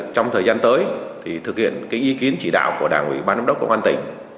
trong thời gian tới thực hiện ý kiến chỉ đạo của đảng ủy ban đông đốc công an tỉnh